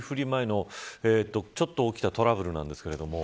前のちょっと起きたトラブルなんですけど。